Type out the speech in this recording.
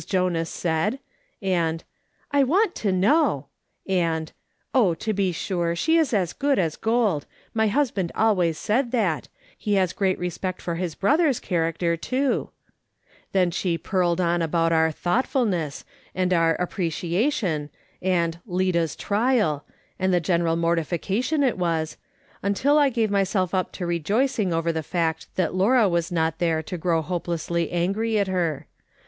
Jonas said, and " I want to know !" and " Oh, to be sure ; she is as good as j^old ; my husband always said that ; he has great respect for his brother's character, too"; then she purled on about our "thoughtfulness," and their "apprecia II 2 loo MRS. SOLOMON SMITH LOOKING ON. tion," and "Lida's trial," and the general mortifica tion it was, until I gave myself up to rejoicing over the fact that Laura was not there to grow hopelessly angry at her.